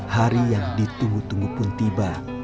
hari yang ditunggu tunggu pun tiba